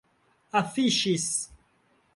afiŝis